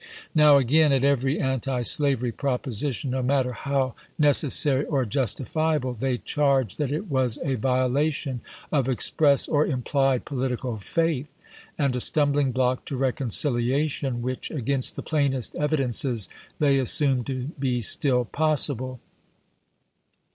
Now again at every antislavery proposition, no matter how necessary or justifiable, they charged that it was a violation of express or implied political faith, and a stumbling block to reconciliation, which, against the plainest evidences, they assumed to be still pos sible.